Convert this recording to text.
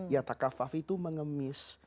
ya takafaf itu mengemis